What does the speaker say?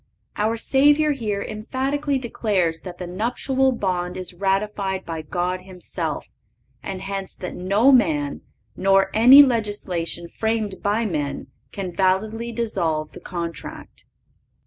(539) Our Savior here emphatically declares that the nuptial bond is ratified by God Himself, and hence that no man, nor any legislation framed by men, can validly dissolve the contract.